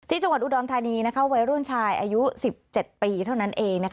จังหวัดอุดรธานีวัยรุ่นชายอายุ๑๗ปีเท่านั้นเอง